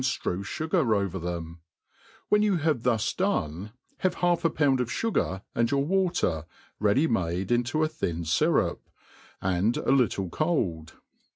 ftrew fugar over them ; when you have thus d<3ine^ have half^ a pound oi fUgar, and your Watery rtady made into a thin fy rup^ abd .2t little cold